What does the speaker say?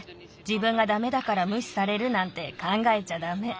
じぶんがダメだからむしされるなんてかんがえちゃダメ。